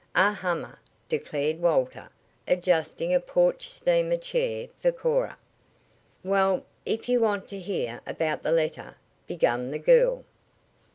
"A hummer!" declared Walter, adjusting a porch steamer chair for Cora. "Well, if you want to hear about the letter " began the girl.